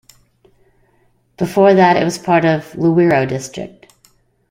Before that, it was part of Luweero District.